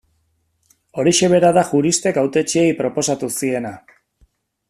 Horixe bera da juristek hautetsiei proposatu ziena.